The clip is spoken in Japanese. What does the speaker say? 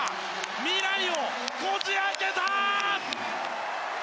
未来をこじ開けた！